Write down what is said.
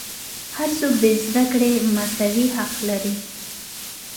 هر څوک د زدهکړې مساوي حق لري.